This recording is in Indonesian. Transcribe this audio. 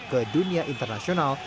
ke dunia internasional